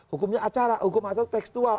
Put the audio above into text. hukumnya acara hukum acara tekstual